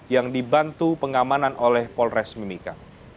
yang dibantu pengamanan oleh polres mimika